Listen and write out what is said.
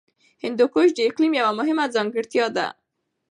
هندوکش د اقلیم یوه مهمه ځانګړتیا ده.